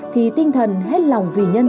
thì tinh thần hết lòng vì nhân dân